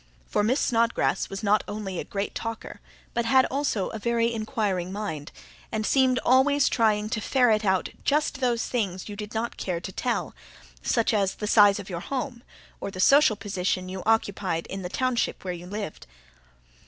For Miss Snodgrass was not only a great talker, but had also a very inquiring mind, and seemed always trying to ferret out just those things you did not care to tell such as the size of your home, or the social position you occupied in the township where you lived.